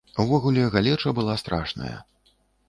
Увогуле, галеча была страшная.